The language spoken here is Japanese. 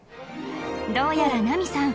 どうやらナミさん